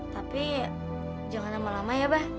tapi jangan lama lama ya bah